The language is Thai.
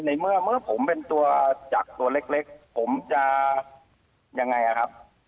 ในเมื่อผมเป็นตัวจักรตัวเล็กผมจะยังไงครับ